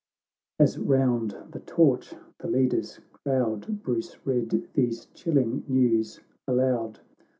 XVI As round the torch the leaders crowd, Bruce read these chilling news aloud.